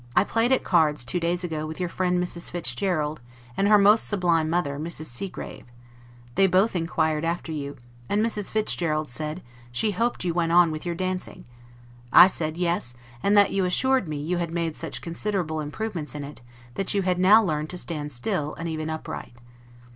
I played at cards, two days ago, with your friend Mrs. Fitzgerald, and her most sublime mother, Mrs. Seagrave; they both inquired after you; and Mrs. Fitzgerald said, she hoped you went on with your dancing; I said, Yes, and that you assured me, you had made such considerable improvements in it, that you had now learned to stand still, and even upright.